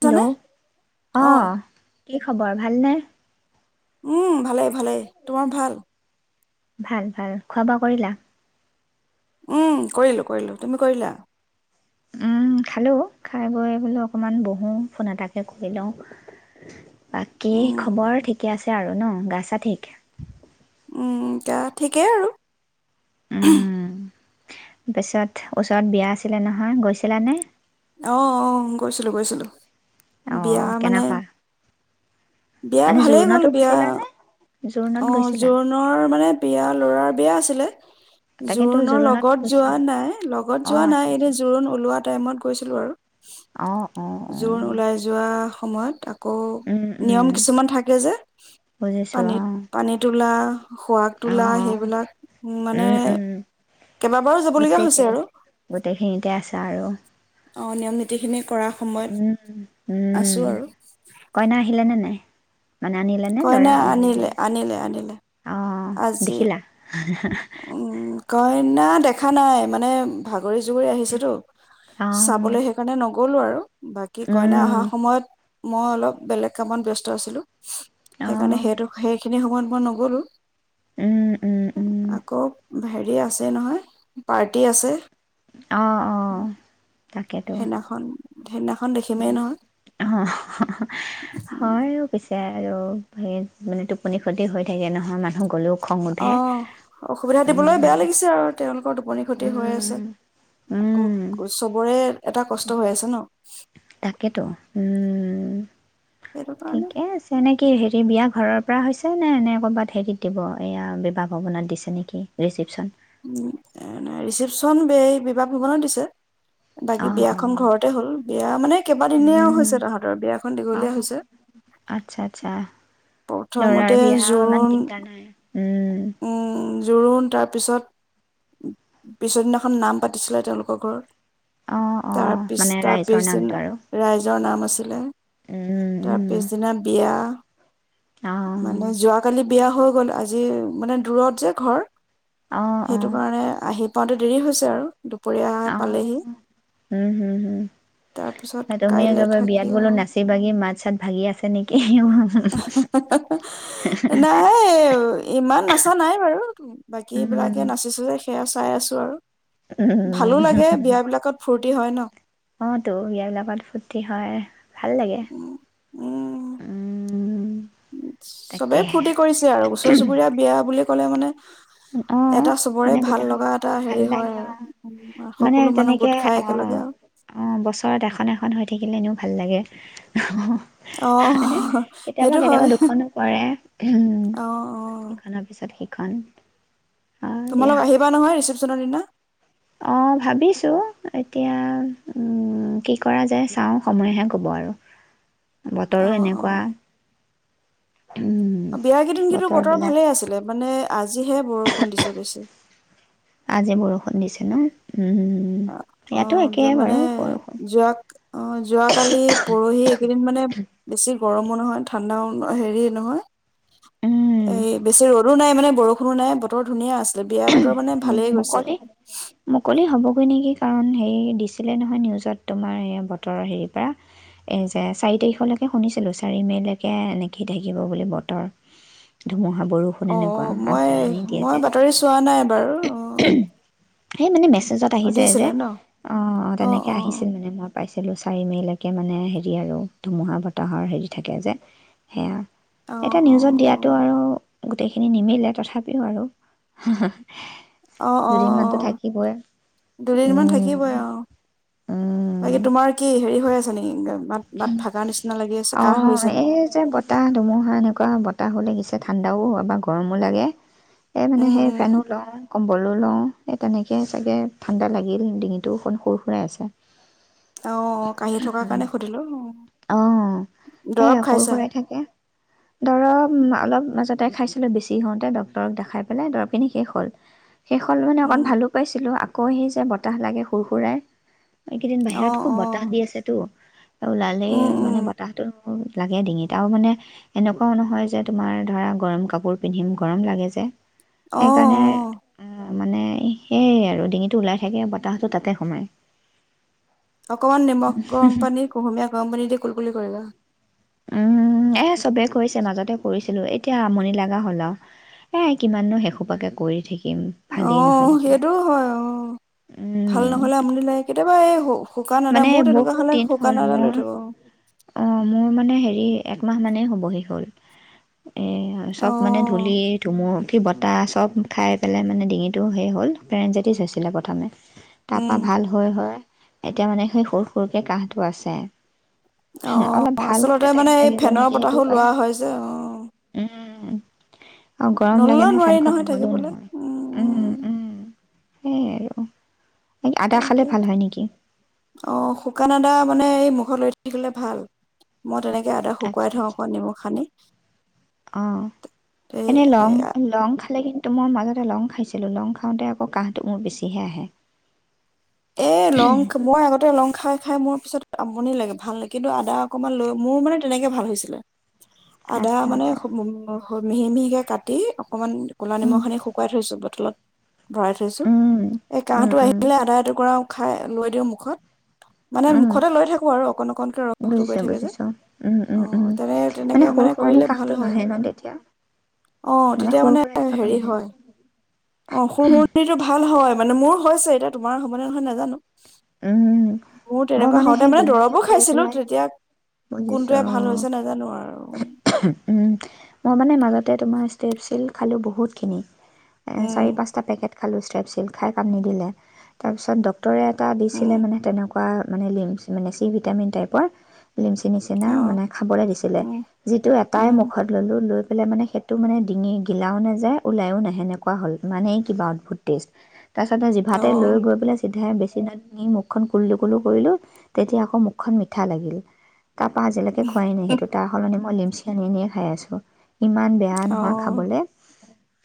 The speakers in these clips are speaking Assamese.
হেল্ল' জানে অ কি খবৰ ভালনে উম ভালে ভালেই তোমাৰ ভাল ভাল ভাল খোৱা বোৱা কৰিলা উম কৰিলোঁ কৰিলোঁ তুমি কৰিলা। উম খালো খাই বৈ বোলো অকমান বহোঁ ফোন এটাকে কৰি লওঁ। বাকী উম খবৰ ঠিকে আছে। আৰু ন গাছা ঠিক উম গা ঠিকেই আৰু তাৰ পিছত ওচৰত বিয়া আছিলে নহয় গৈছিলানে আহ অ গৈছিলো গৈছিলো বিয়া অ', মানে কেনেকুৱা? বিয়া মানে ভালেই গ'ল জোৰোণতো বিয়া গৈছিলানে? জোৰোণত অ গৈছিলা? জোৰোণৰ মানে বিয়া লৰাৰ বিয়া আছিলে। তাকেতো জোৰোণৰ জোৰোণত লগত যোৱা গৈছিলা। নাই লগত যোৱা অ', নাই আচ্ছা এনেটো আচ্ছা। জোৰোণ ওলোৱাাত টাইমত গৈছিলোঁ আৰু অ', অ', অ', জোৰ ওলাই যোৱা সময়ত তাক আকৌ উম, নিয়ম উম, কিছুমান থাকে যে বুজিছোঁ পানীত অ', পানী তোলা, শোৱাগ তোলা, অ', অ', সেইবিলাক মানে উম, উম, কেইবাবাৰো যাবলগীয়া হৈছে গোটেইখিনিত, আৰু। গোটেইখিনিতে আছো আৰু অ নিয়ম নীতিখিনি কৰাৰ সময়ত উম আছোঁ উম আৰু। কইনা আহিলে নে নাই মানে আনিলেনে দৰা কইনা মানে আনিলে বিয়া আনিলে আনিলে অঁ আজি দেখিলা উম কইনা দেখা নাই মানে ভাল গৰি জুগৰি আহিছোতো, অঁ চাবলৈ সেইকাৰণে ন গ'লো আৰু বাকী কইনা উম অহা সময়ত মই অলপ বেলেগ কামত ব্যস্ত আছিলো সেইকাৰণে অঁ সেইটো সেইখিনি সময়ত মই নগলো উম উম উম আকৌ ভাই ৰি আছে নহয় পাৰ্টি আছে অঁ অঁ সেইদিনাখন সেইদিনাখন দেখিমেই অহ হহহ নহয় হয় অ পিছে আৰুে মানে টোপনি ক্ষতি হৈ থাকে নহয় মানুহ গ'লেও খং অ উঠে অসুবিধা দিবলৈ বেয়া উম লাগিছে আৰু তেওঁলোকৰ টোপনি ক্ষতি হৈ উম আছে। উম আকৌ চবৰে এটা কষ্ট হৈ আছে ন তাকেতো উম সেইটো কাৰণে ঠিকে আছে কি হেৰি বিয়া ঘৰৰ পৰা হৈছে নে এনে ক'ৰবাত হেৰিত দিব এইয়া বিবাহ ভৱনত দিছে নেকি ৰিচিপ্যন? উ ৰিচিপ্যন বে বিবাহ ভৱনত দিছে বাকী অঁ অঁ বিয়াখন ঘৰতে হ'ল বিয়া মানে কেইবাদিনীয়া হৈছে তাহতৰ বিয়াখন দীঘলীয়া অঁ হৈছে আচ্ছা আচ্ছা প্ৰথমতে লৰাৰ বিয়া ইমান জোৰোণ দিগদাৰ নাই উম জোৰোণ তাৰ পিছত পিছৰদিনাখন নাম পাতিছিলে তেওঁলোকৰ অঁ ঘৰত তাৰ অঁ পিছ মানে তাৰ ৰাইজৰ নামটো পিছদিনা আৰু ৰাইজৰ নাম আছিলে, তাৰ পিছদিনা বিয়া অঁ মানে যোৱাকালি বিয়া হৈ গ'ল আজি মানে দূৰত যে ঘৰ অঁ সেইটো কাৰণে আহি পাওঁতে দেৰি হৈছে আৰু দুপৰীয়া আহ পালেহি উম হম হম তাৰপিছত তুমি কাইলে একেবাৰে থাকি বিয়াত বোলো আৰু নাচি বাগি মাত চাত ভাগি আছে নেকি নাই ইমান নাচা নাই বাৰু বাকীবলাকে নাচিছিলে সেয়া চাই আছো আৰু উ ভালো লাগে বিয়াবিলাকত ফূৰ্তি হয় ন অ তো বিয় বিলাকত ফূুৰ্তি হয় ভাল লাগে উম [unintelligible] চবেই তাকেহে ফূুৰ্তি কৰিছে আৰু ওচৰ চুবুৰীয়া বিয়া বুলি ক'লে মানে অ এটা চবৰে মানে ভাল গোটেইখন লগা এটা ভাল হেৰি হয় লাগে অ আৰু মানে সকলো মানুহ তেনেকে গোট খাই অ একেলগে আৰু অ বছৰত এখন এখন হৈ থাকিলে এনেও ভাল লাগে অ মানে কেতিয়াবা সেইটো হয় কেতিয়াবা দুখনো কৰেৰে উম অ অ ইখনৰ পিছত সিখন কাৰণ তোমালোক আহিবা নহয় ৰিচেপশ্যনৰ দিনা অ ভাবিছো এতিয়া উ কি কৰা যে চাওঁ সময়হে কব আৰু অ বতৰো এনেকুৱা বিয়া কেইদিন কিন্তো বতৰ বতৰবিলাক ভালে আছিলে মানে আজি আজিহে বৰষুণ দিছে বেছি আজি বৰষুণ দিছে ন উম অ ইয়াতো য একেই মানে বাৰু বৰষুণ যোৱা অ যোৱাকালি পৰহি কেইদিন মানে বেছি গৰমো নহয় ঠাণ্ডাও হেৰি নহয় উম এই বেছি ৰ'দ ৰ'দো নাইানে বৰষুণো নাই বতৰ ধুনীয়া আছে বিয়া বতৰ মানে উম, ভালেই গৈছে মুকলি মুকলি হ'বগৈ নেকি কাৰণ হেৰি দিছিলে নহয় নিউজত তোমাৰ বতৰৰ হেৰিৰ পৰা এই যে চাৰি তাৰিখলৈকে শুনিছিলোঁ চাৰি মে'লৈকে এনেকি থাকিব বুলি বতৰ অ বৰষুণ অ এনেকুৱা মই আগজনে দিয়ে মই যে বাতৰি চোৱা নাই বাৰু অ সেই মানে মে আহি যায় যে দিছিলে ন অ অ তেনেকে আহিছিল মানে মই পাইছিলোঁ চাৰি মেইলৈকে মানে হেৰি আৰু ধুমুহা বতাহৰ হেৰি থাকে যে সেয়া অ এটা অ নিউজত দিয়াতো আৰু গোটেইখিনি নিমিলে তথাপিও আৰু হ অ অ দুদিন মানতো থাকিবই দুদিনমান উম থাকিবই অ উম বাকী তোমাৰ কি হেৰি হৈ আছে নেকি মাত মাত ভাগা নিচিনা লাগি আছে অ কাহ হৈ আছে এই নেকি যে বতাহ ধুমুহা এনেকুৱা বতাহ হ' লাগিছে ঠাণ্ডাও হয় বা গৰমো লাগে স উম সেই উম ফেনো লওঁ কম্বলো লওঁ স তেনেকেই চাগে ঠাণ্ডা লাগিল ডিঙিটো অকণ সৰু সুৰাই আছে অ অ কাহি থকাৰ কাৰণে সুধিলো অ অ সেই দৰৱ সৰু খাইছা সুৰাই থাকে ধৰ অলপ মাজতে খাইছিলো বেছি হওঁতে ডক্তৰক দেখাই পেলাইৰ পিল শেষ হ'ল শেষ' হ'ল মানে অকণ উম ভালো পাইছিলো আকৌ আহি যে বতাহ লাগে সুৰ সুৰাই এইকেইদিন অ বাহিৰত খুব অ বতাহ দি আছেতো ওলালেই উম উম মানে বতাহটোত লাগে ডিঙিত ত আৰু মানে এনেকুৱাও নহয় যে তোমাৰ ধৰা গৰম কাপোৰ পিন্ধিম গৰম লাগে যে অ সেইকাৰণে অ উম মানে সেয়ে আৰু ডিঙিতটো ওলাই থাকে বতাহতটো তাতে সোমায় অকমান নিমখ গৰমপানী কুহুমীয়া পানী দে কুলকুলি কৰে ন উম এ চবে কৰিছে মাজতে কৰিছিলো এতিয়া আমনি লগা হল আৰু এ কিমাননো শেষোপাকে কৰি থাকি অ সেইটোও হয় অ ভাল নহলে আমনি লাগে কেতিয়াবা এই হওক মানে বহুত দিন হ'ল লৈ মোৰ থাকো অ মোৰ মানে হেৰি এই একমাহ মানে হ'ব শেষ হ'ল এ চব অ মানে ধূলি ধুমুি বতাহ চব খাই পেলাই মানে ডিঙিটো সেই হ'ল পেৰেনজেটিছ হৈছিলে প্ৰথমে তাৰ উম পৰা ভাল হয় হয় এতিয়া মানে সেই সৰু সৰুকে কাহটো আছে অ অলপ ভাল হওঁতে আচলতে টাইম মানে এই লাগিব ফেনৰ নেকি সেইটো বতাহো লোৱা হয় যে অ উ আৰু গৰম লাগে নললেও নহয় নোৱাৰি ফেনখন নহলেও থাকিবলৈ নহয় উম উম সেই আৰু ন আদা তাকে খালে ভাল হয় নেকি অ শুকান আদা মানে এই মুখত লৈ থাকে ভাল মই তেনেকে এটা শুকুৱাই থওঁ আককল নিমখ খানি [unintelligible] অ এনে লং লং খালে কিন্ত মই মাজতে লং খাইছিলো লং খাওঁতে আকৌ কাহটো মোৰ বেছিহে আহে এ লং মই আগতে লং খাই খাই মোৰ তাৰপিছত আমনি লাগে ভালে কিন্তু আদা অকণমান লৈ মোৰ মানে তেনেকে ভাল হৈছিলে আদা আচ্ছা মানে আচ্ছা উ মিহি মিহিকে কাটি অকমান কলা নিমখি উম, সানি শুকুৱাই থইছো তলত ভৰাই থৈছো উম, এই উম, কাহটো উম। আহিলে আধা এ কুকুৰাও খাই লৈ দিওঁ মুখত মানে উম, মুখতে লৈ থাকো আৰু অকণ অকনকে ৰসটো গৈ বুজিছো থাকে যে বুজিছো। উম, অ উম, উম, তেনে তেনেকে সৰু মানে সুৰণি কৰিলে ভাল কাহটো হয় নাহে ন তেতিয়া? অ তেতিয়া সৰু মানে সুৰাই থকাটো হেৰি নাহে? হয় অ সুৰ সুৰিটো ভাল হয় মানে মোৰ হৈছে এতিয়া তোমাৰ হবানে নহয় নাজানো উম মোৰ মই তেনেকুৱা মানে হওঁতে সেই ডিঙি দৰৱো সুৰ খাইছিলো সুৰাই তেতিয়া বুজিছো কোনটোৱে ভাল হৈছে নাজানো আৰু ছ উম মই মানে মাজত তাতে তোমাৰ ষ্টেপছিল খালোঁ বহুতখিনি এ চাৰি উম পাঁচটা পেকেট খালোঁ ষ্ট্ৰেপচিল খাই কাম নিদিলে তাৰপিছত ডক্টৰে এটা দিছিলে উম মানে তেনেকুৱা তৰা পৰা মানে লিমছ মানে চি ভিটামিন টাইপৰ লিমচি নিচিনা অ মানে খাবলৈ দিছিলে উম যিটো এটাই উম মুখত ল'লোঁ লৈ মানে সেইটো মানে ডিঙি গিলাও নাযায় ওলাইও নাহে সেনেকুৱা হ'ল মানে কিবা অদ্ভুত টেষ্ট তাৰপিছতে অ জিভাতে লৈ গৈ পেলাই চিধাই বে চিনত নি মুখখন কুলু কুলু কৰিলো তেতিয়া আকৌ মুখখন মিঠা লাগিল তাৰপৰা আজিলৈকে খোৱাই নাই সেইটো তাৰ সলনি মই লিমচ আনি আনিয়ে খাই আছো ইমান বেয়া অ নহয় খাবলে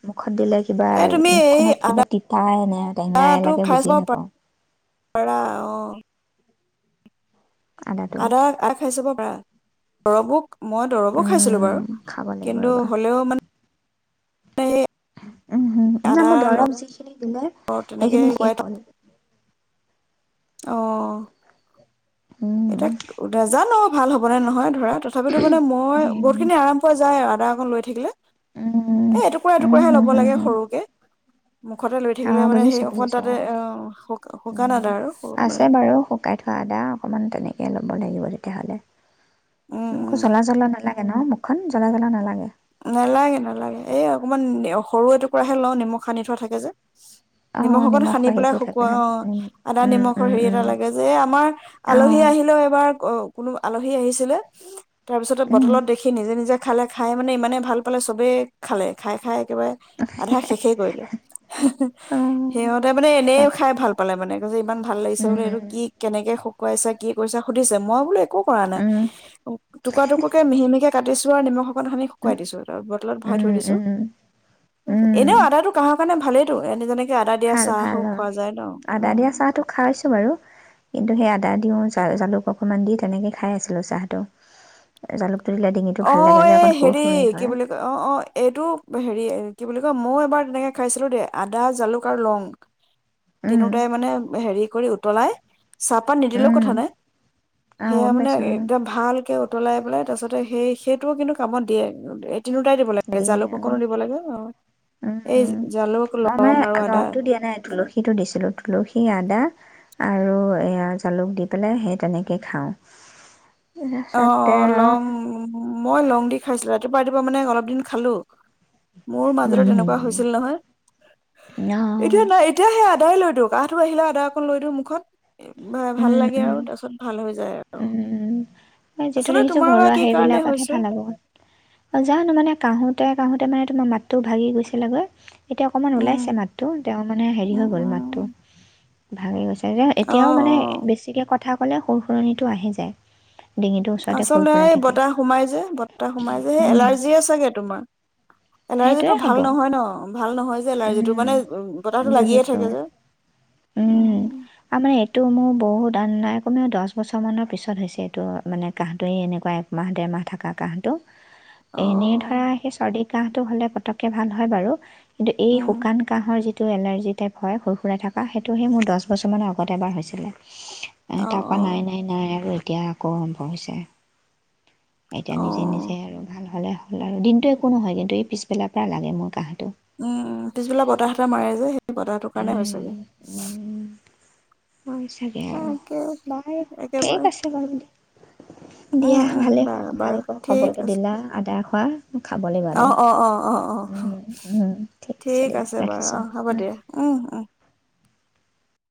মুখত দিলে কিবা এই তুমি এই মুখখনত কিবা তিতাই নে টেঙাই আদাটো লাগে খাই চাব বুজিয়ে নাপাওঁ পাৰা অ আদাটো আদা আদা খাই চাব সৰহবোৰ মই দৰৱো খাইছিলো উম বাৰু খাব লাগিব কিন্তু ৰ'বা হ'লেও মানে সেই উম্ হুম্ নাই মোৰ আদাৰ দৰৱ জিখি খিনি খাই লগত তেনেকে সেইখিনি শেষ হ'ল আহ উম এতিয়া ক নেজানো ভাল হ'ব নে নহয় ধৰা তথাপিতো মানে মই উম বহুত খিনি আৰাম পোৱা যায় আৰু আদা এখন লৈ থাকিলে উম এ এটুকুৰা উম এটুকুৰাহে হুম লব হুম লাগে হুম সৰুকে মুখতে লৈ অ থাকিলে মানে সেই বুজিছো অকমান বুজিছো তাতে অ শুকান উম আদা আৰু মানে আছে বাৰু শুকাই থোৱা আদা অকমান তেনেকে লিয়াই ল'ব লাগিব তেতিয়াহ'লে উম একো উম জ্বলা জ্বলা নালাগে গে ন মুখখন জ্বলা জ্বলা নালাগে নেলাগে নেলাগে এই অকমান সৰু এটুকুৰাহে লওঁ নিমখ সানি থোৱা থাকে যে অ নিমখ অকন সানি নিমখৰ পেলাই সেইটো থাকে শুকুৱা ন অ উম আদা উম নিমখৰ উম হেৰি এটা উম লাগে যে আমাৰ অ আলহী আহিলেও এইবাৰ অ কোনো আলহী আহিছিলে তাৰপিছতে উম বটলত দেখি নিজে নিজে খালে খাই মানে ইমানে ভাল পালে চবে খালে খাই খাই একেবাৰে আধা শেষেই কৰিলে অ সিহঁতে মানে এনে তাকে খাই ভাল পালে মানে কৈছে ইমান ভাল লাগিছে বোলে উম, এইটো কি কেনেকে শু কৈছে কি কৰিছা সুধিছে মই বোলো একো কৰা নাই উম, টুকুৰা টুকুৰাকে মিহি মিহিকে কাটিছোঁ আৰু নিমখ অকণ সা উম, শুকুৱাই দিছো তাৰ পা বতলত ভৰাই থৈ উম, দিছো উম, এনেয়ো আদাটো কাঁহৰ কাৰণে ভালেইতো এনেজানে হয় ভাল অ আদা উম দিয়া চাহটো খাইছো বাৰু কিন্তু সেই আদা দিওঁ জালুক অকণমান দি তেনেকে খাই আছিলো চাহটো জালুক অ এই হেৰি কি বুলি কয় অ অ এইটো হেৰি কি বুলি কয় মযো এবাৰ তেনেকে খাইছিলো দেই আদা জালুক আৰু লং উম, তিনোটাই মানে হেৰি কৰি উঠ তলাই চাহপাত নিদিলেও উম, কথা নাই অ, সেয়া গম মানে পাইছো উম, একদম ভালকে উ উতলাই পালাই তাৰচত সেই সেইটোও কিন্তু কামত দিয়ে তিনোটাই দিব লাগে দিয়ে জালুক অ, অকণো দিব লাগে অ উম, এই উম। জালুক মই লং মানে আৰু আদা লংটো দিয়া নাই তুলসীটো দিছিলো তুলসী আদা আৰু এয়া জালুক দি পেলাই সেই তেনেকেই খাওঁ অ তাৰপিছতে অ লং ওম ও মই লং দি খাইছিলো ৰাতিপুৱা ৰাতিপুৱা মানে অলপ দিন খালো মোৰ মাজত এনেকুৱা উম, হৈছিল নহয় অ, এতিয়া নাই এতিয়াহে আদ কাহ টো আহিলে আদা অকন লৈ দিওঁ মুখত ভাল উম, লাগে আৰু উম, তাৰ পিছত ভাল হৈ যায় আৰু অ মই যিটো দেখিছো ঘৰুৱা সেই বিলাকতহে ভাল হব জানো মানে কাহোতে কাঁহোতে মানে তোমাৰ মাতটো ভাগি গৈছিলেগৈ এতিয়া অকমান উম ওলাইছে মাতটো তেওঁ মানে হেৰি উম হৈ গ'ল মাতটো উম ভাঙি গৈছে এতিয়া অ অ এতিয়াও মানে বেছিকে কত কথা ক'লে সুৰ সুৰনিটো আহি যায় ডিঙিটোৰ ওচৰতে খুৰ আচলতে খুৰাই এই থাকে বতাহ সোমাই যে বতাহ সোমাই যে সেই উম এলাৰ্জিয় চাগে তোমাৰ এনাৰ্জি টো সেইটোৱে হ'ব ভাল নহয় ন ভাল নহয় যে এজাৰ্জি টো উম মানে ও ও বতাহটো লাগিয়ে বুজিছো থাকে যে উম উম আমাৰ এইটো মোৰ বহুত আন নাই কমেও দহ বছৰমানৰ পিছত হৈছে এইটো মানে কাঁহটোৱে এনেকুৱা একমাহ ডেৰমাহ থকা কাঁহটো অ এনেই ধৰা সেই চৰ্দি কাহটো হ'লে পতককে ভাল হয় বাৰু কিন্তু এই উম শুকান কাহৰ যিটো টো এলাৰ্জি টাইপ হয় সুৰ সুৰাই থাক বা সেইটো সেই মোৰ দহ বছৰমানৰ আগতে এবাৰ হৈছিলে অ তাৰ পৰা অ নাই নাই নাই আৰু এতিয়া আকৌ আৰম্ভ হৈছে এতিয়া অ নিজে নিজে আৰু ভাল হ'লে ল আৰু দিনটো একো নহয় কিন্তু এই পিছবেলাৰ পৰা লাগে মোৰ কাহিনী বহটো কাৰণে হৈছেগে উম, উম, হয় চাগে আৰু বাৰু ঠিক একেবাৰে আছে বাৰু দিয়া দিয়া উম উম ভালেই হ'ল বাৰু বাৰু ভালক ঠিক খবৰটো আছে দিলা আদা খোৱা মোক খাব লাগিব অ আদা অ অ অ অ উম উ ঠিক আছে দিয়া বাৰু ৰাখিছো হ'ব দিয়া উম অ